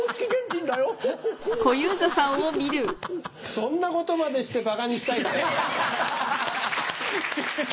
そんなことまでしてばかにしたいかよ！